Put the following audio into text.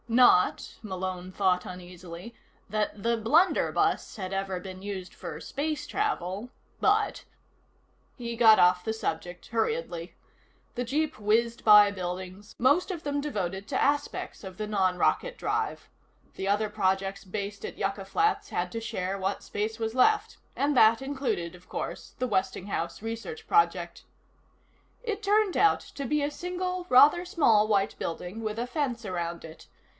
Not, Malone thought uneasily, that the blunderbuss had ever been used for space travel, but He got off the subject hurriedly. The jeep whizzed by buildings, most of them devoted to aspects of the non rocket drive. The other projects based at Yucca Flats had to share what space was left and that included, of course, the Westinghouse research project. It turned out to be a single, rather small white building with a fence around it.